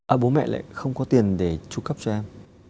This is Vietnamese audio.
ở bố mẹ lại không có tiền để tru cấp cho em